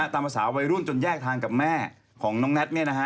ตามภาษาวัยรุ่นจนแยกทางกับแม่ของน้องแน็ต